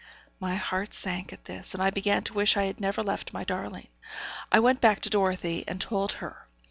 My heart sank at this, and I began to wish I had never left my darling. I went back to Dorothy and told her.